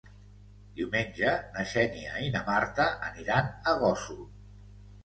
Diumenge na Xènia i na Marta aniran a Gósol.